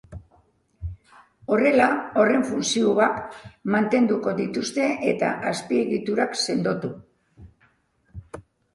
Horrela, horren funtzioak mantenduko dituzte eta azpiegitura sendotu.